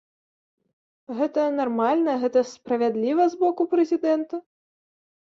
Гэта нармальна, гэта справядліва з боку прэзідэнта?